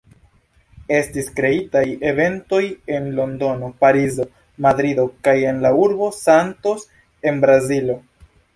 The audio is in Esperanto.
Estis kreitaj eventoj en Londono, Parizo, Madrido kaj en la urbo Santos en Brazilo.